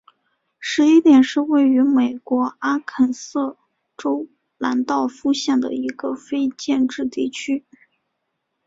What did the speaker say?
十一点是位于美国阿肯色州兰道夫县的一个非建制地区。